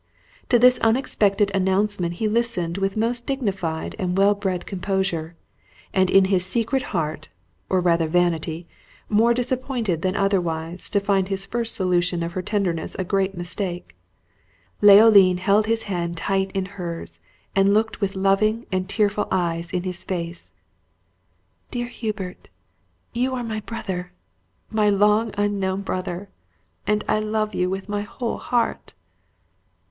To this unexpected announcement he listened with most dignified and well bred composure, and in his secret heart, or rather vanity, more disappointed than otherwise, to find his first solution of her tenderness a great mistake. Leoline held his hand tight in hers, and looked with loving and tearful eyes in his face. "Dear Hubert, you are my brother my long unknown brother, and I love you with my whole heart!"